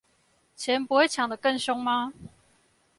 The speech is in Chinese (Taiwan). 錢不會搶得更兇嗎？